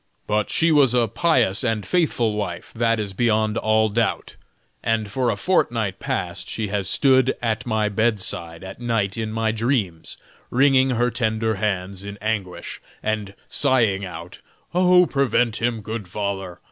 But she was a pious and faithful wife, that is beyond all doubt; and for a fortnight past she has stood at my bedside at night in my dreams, wringing her tender hands in anguish and sighing out: 'Oh, prevent him, good father!